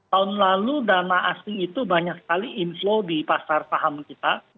tahun lalu dana asing itu banyak sekali inflow di pasar saham kita